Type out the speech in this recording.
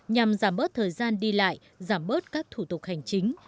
nhằm giảm bớt thời gian đi lại giảm bớt các thủ tục hành chính